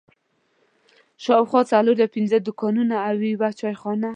شاوخوا څلور یا پنځه دوکانونه او یوه چای خانه هلته وه.